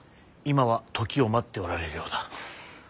今は時を待っておられるようだ。